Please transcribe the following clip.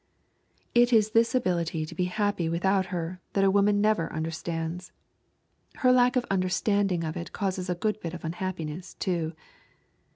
It is this ability to be happy without her that a woman never understands. Her lack of understanding of it causes a good bit of unhappiness, too.